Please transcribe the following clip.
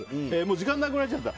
時間なくなっちゃった。